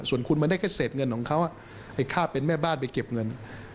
ส่วนคุณมันได้แค่เศษเงินของเขาไอ้ค่าเป็นแม่บ้านไปเก็บเงิน